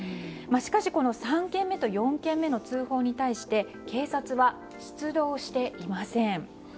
しかし、この３件目と４件目の通報に対して警察は出動していません。